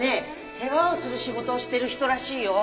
世話をする仕事をしてる人らしいよ。